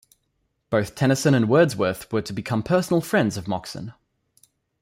Both Tennyson and Wordsworth were to become personal friends of Moxon.